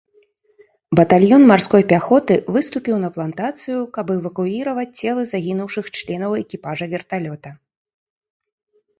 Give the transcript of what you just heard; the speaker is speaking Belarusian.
Батальён марской пяхоты выступіў на плантацыю, каб эвакуіраваць целы загінуўшых членаў экіпажа верталёта.